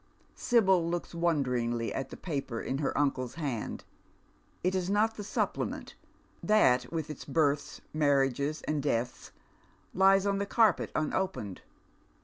Sibyl looks wonderingly at the paper in her uncle's hand. It is not tho supplement. That, with its births, marriages, and deaths, lies on the carpet unopened.